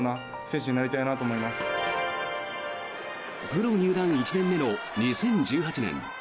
プロ入団１年目の２０１８年。